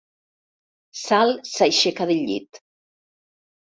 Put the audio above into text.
Sal s'aixeca del llit.